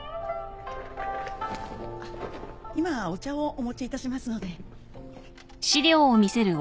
あっ今お茶をお持ちいたしますので。